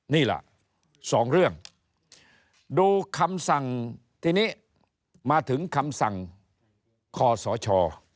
นี่ล่ะสองเรื่องดูคำสั่งทีนี้มาถึงคำสั่งคอสช